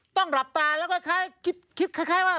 หลับตาแล้วก็คล้ายคิดคล้ายว่า